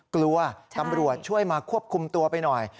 กลัวตำรวจช่วยมาควบคุมตัวไปหน่อย